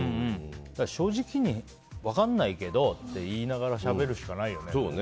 正直に分からないけどって言いながらしゃべるしかないよね。